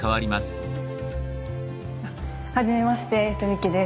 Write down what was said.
はじめまして澄輝です。